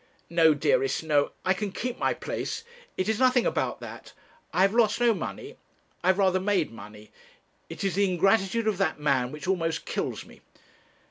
'No, dearest, no; I can keep my place. It is nothing about that. I have lost no money; I have rather made money. It is the ingratitude of that man which almost kills me.